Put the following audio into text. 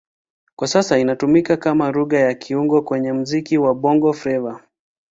Kwa sasa inatumika kama Lugha ya kiungo kwenye muziki wa Bongo Flava.